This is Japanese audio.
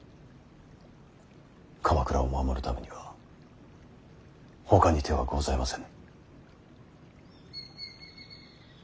鎌倉を守るためにはほかに手はございませぬ。